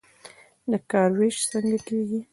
د کار ویش څنګه کیږي؟